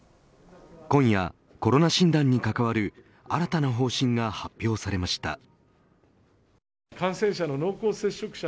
今夜、コロナ診断に関わる新たな方針が発表されました。